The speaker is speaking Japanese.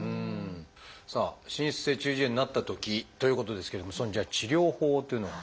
さあ滲出性中耳炎になったときということですけれどもそのじゃあ治療法というのは？